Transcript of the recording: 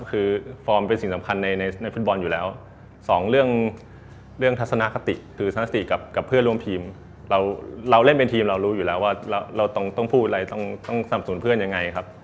คือฟอร์มเป็นสิ่งสำคัญในฟุตบอลอยู่แล้วสองเรื่องเรื่องทัศนคติคือทนติกับเพื่อนร่วมทีมเราเล่นเป็นทีมเรารู้อยู่แล้วว่าเราต้องพูดอะไรต้องสนับสนุนเพื่อนยังไงครับ